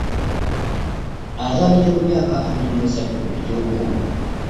Azalidde kumyaka abiri mwesatu ejyobukulu.